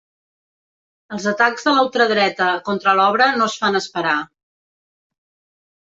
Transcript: Els atacs de la ultradreta contra l'obra no es fan esperar.